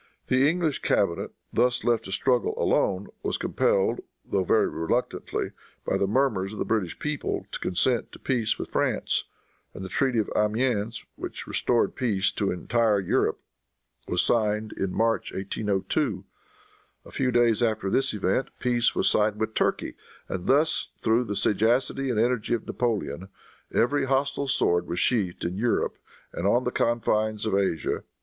The English cabinet, thus left to struggle alone, was compelled, though very reluctantly, by the murmurs of the British people, to consent to peace with France; and the treaty of Amiens, which restored peace to entire Europe, was signed in March, 1802. A few days after this event, peace was signed with Turkey, and thus through the sagacity and energy of Napoleon, every hostile sword was sheathed in Europe and on the confines of Asia.